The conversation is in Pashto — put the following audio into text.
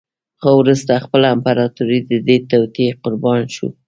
خو وروسته خپله امپراتور د دې توطیې قربا شو